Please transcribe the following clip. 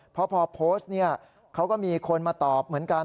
เพราะพอโพสต์เนี่ยเขาก็มีคนมาตอบเหมือนกัน